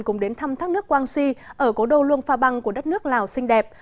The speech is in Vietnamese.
cùng đến thăm thác nước quang si ở cố đô luông pha băng của đất nước lào xinh đẹp